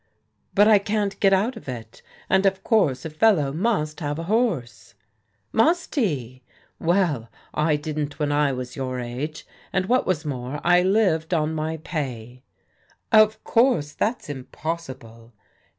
" But I can't get out of it, and of course a fellow must have a horse." " Must he? Well, I didn't when I was your age. And what was more, I lived on my pay." " Of course that's impossible."